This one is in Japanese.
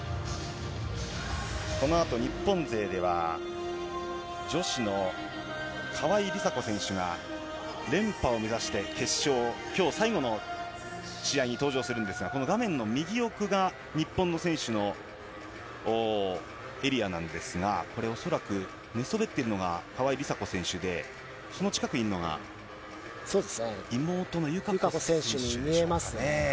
このあと日本勢では、女子の川井梨紗子選手が連覇を目指して決勝、きょう最後の試合に登場するんですが、この画面の右奥が日本の選手のエリアなんですが、これ、恐らく寝そべっているのが川井梨紗子選手で、その近くにいるのが、友香子選手に見えますね。